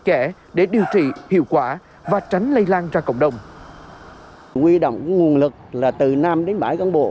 kẽ để điều trị hiệu quả và tránh lây lan ra cộng đồng quy động nguồn lực là từ năm đến bảy con bộ